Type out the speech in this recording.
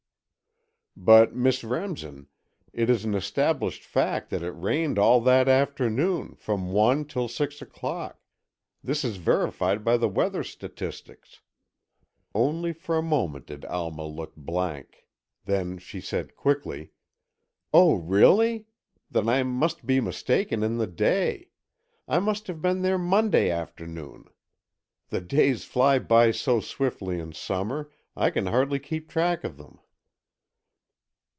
"But, Miss Remsen, it is an established fact that it rained all that afternoon, from one till six o'clock. This is verified by the weather statistics." Only for a moment did Alma look blank. Then she said, quickly: "Oh, really? Then I must be mistaken in the day. I must have been there Monday afternoon. The days fly by so swiftly in summer, I can hardly keep track of them."